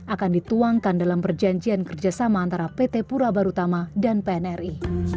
akan dituangkan dalam perjanjian kerjasama antara pt pura barutama dan pnri